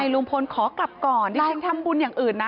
ลุงพลขอกลับก่อนดิฉันทำบุญอย่างอื่นนะ